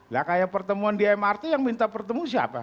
lah kayak pertemuan di mrt yang minta pertemu siapa